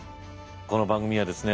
この番組はですね